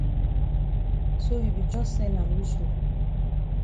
So you be jus sen am you so.